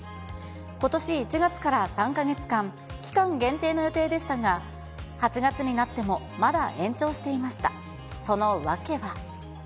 ことし１月から３か月間、期間限定の予定でしたが、８月になってもまだ延長していました。